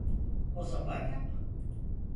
O zaman yap.